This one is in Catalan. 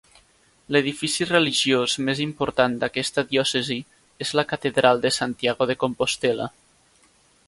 L'edifici religiós més important d'aquesta diòcesi és la catedral de Santiago de Compostel·la.